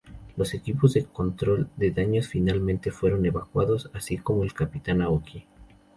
Los equipos de control de daños finalmente fueron evacuados, así como el capitán Aoki.